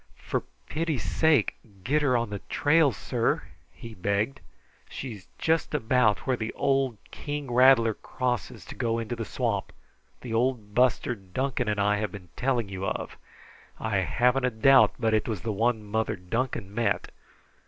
"For pity's sake, get her on the trail, sir," he begged. "She's just about where the old king rattler crosses to go into the swamp the old buster Duncan and I have been telling you of. I haven't a doubt but it was the one Mother Duncan met.